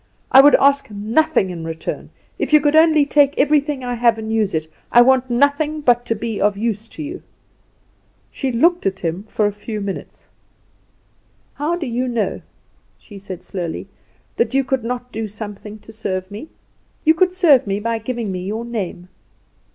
I would ask nothing in return! If you could only take everything I have and use it; I want nothing but to be of use to you." She looked at him for a few moments. "How do you know," she said slowly, "that you could not do something to serve me? You could serve me by giving me your name."